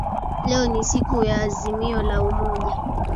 Leo ni siku ya azimio la umoja